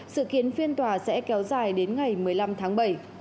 sự kiến phiên tòa sẽ kéo dài đến ngày một mươi năm tháng bảy